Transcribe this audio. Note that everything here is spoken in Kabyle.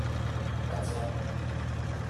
Attan!